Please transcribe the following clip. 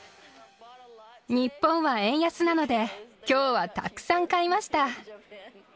日本は円安なので、きょうはたくさん買いました。